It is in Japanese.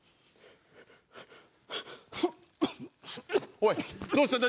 おいどうしたんだ？